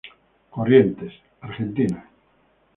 Corrientes, Argentina.